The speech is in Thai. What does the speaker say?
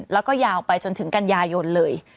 แล้วก็ยาวไปจนถึงกันยายนเลย